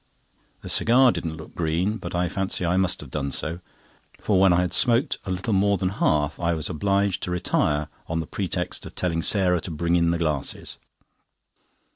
The cigar didn't look green, but I fancy I must have done so; for when I had smoked a little more than half I was obliged to retire on the pretext of telling Sarah to bring in the glasses.